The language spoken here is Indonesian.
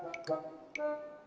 aduh sama ngerang